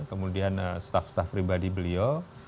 kemudian staf staf pribadi beliau